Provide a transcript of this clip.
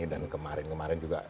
dan kemarin kemarin juga